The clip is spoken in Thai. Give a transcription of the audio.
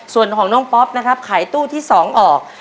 ส่วนของน้องป๊อปนะครับขายตู้ที่๒ออก